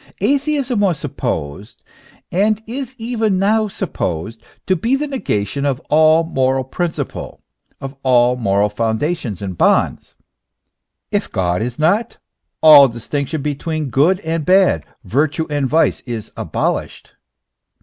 Atheism was supposed, and is even now supposed, to be the negation of all moral principle, of all moral foundations and bonds : if God is not, all distinction between good and bad, virtue and vice, is abolished.